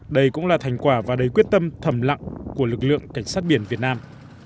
đây cũng là thành quả và đầy quyết tâm thầm lặng của lực lượng cảnh sát biển việt nam